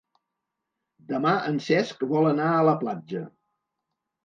Demà en Cesc vol anar a la platja.